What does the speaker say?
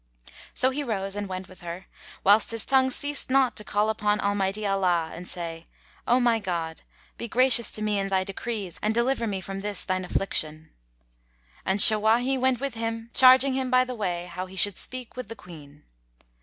So he rose and went with her, whilst his tongue ceased not to call upon Almighty Allah and say, "O my God, be gracious to me in Thy decrees and deliver me from this Thine affliction!"[FN#140] And Shawahi went with him charging him by the way how he should speak with the Queen.